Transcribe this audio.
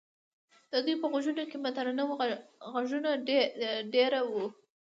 د دوی په غوږونو کې مترنم غږونه دېره وو.